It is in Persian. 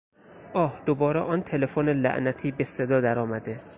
آه دوباره آن تلفن لعنتی به صدا درآمده.